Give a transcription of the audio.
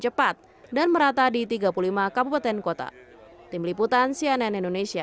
cepat dan merata di tiga puluh lima kabupaten kota tim liputan cnn indonesia